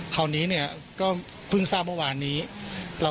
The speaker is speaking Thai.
คราวนี้เนี้ยก็เพิ่งทราบเมื่อวานนี้เราก็เลยบอกเออเฮ้ย